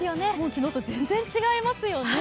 昨日と全然違いますよね。